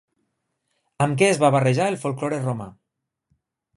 Amb què es va barrejar el folklore romà?